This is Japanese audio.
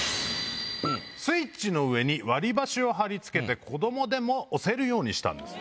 スイッチの上に割り箸をつけて子供でも押せるようにしたんです。